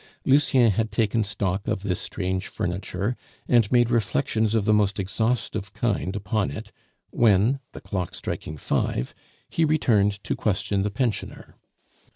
Lucien had taken stock of this strange furniture, and made reflections of the most exhaustive kind upon it, when, the clock striking five, he returned to question the pensioner.